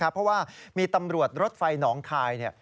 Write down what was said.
เพราะว่ามีตำรวจรถไฟหนองคาย